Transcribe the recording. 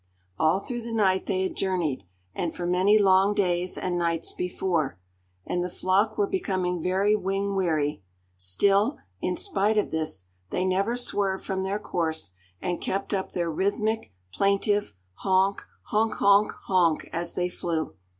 All through the night they had journeyed, and for many long days and nights before, and the flock were becoming very wing weary; still, in spite of this, they never swerved from their course, and kept up their rhythmic, plaintive "honk, honk honk, honk," as they flew.